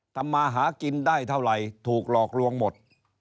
ทำมาหากินได้เท่าไหร่ถูกหลอกลวงหมด